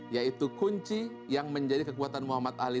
yaitu kunci yang menjadi kekuatan muhammad ali